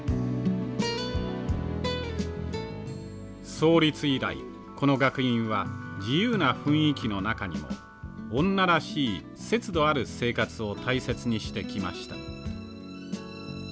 創立以来この学院は自由な雰囲気の中にも女らしい節度ある生活を大切にしてきました。